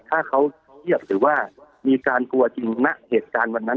ถ้าเขาเทียบหรือว่ามีการกลัวจริงณเหตุการณ์วันนั้น